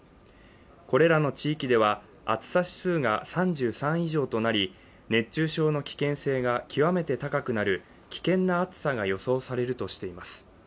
これらの地域では暑さ指数が３３以上となり、熱中症の危険性が極めて高くなる危険な暑さが予想されるとしています。